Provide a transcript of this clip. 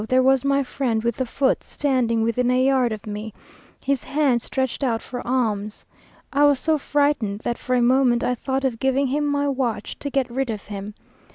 there was my friend with the foot, standing within a yard of me, his hand stretched out for alms! I was so frightened, that for a moment I thought of giving him my watch, to get rid of him.